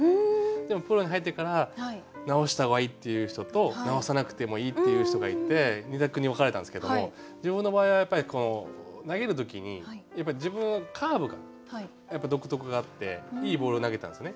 でもプロに入ってから直した方がいいっていう人と直さなくてもいいっていう人がいて２択に分かれたんですけども自分の場合はやっぱり投げる時に自分はカーブが独特があっていいボール投げたんですね